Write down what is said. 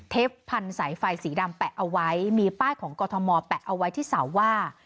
พันธุ์สายไฟสีดำแปะเอาไว้มีป้ายของกรทมแปะเอาไว้ที่เสาว่า